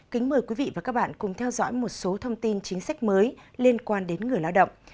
kính mời quý vị và các bạn cùng theo dõi một số thông tin chính sách mới liên quan đến người lao động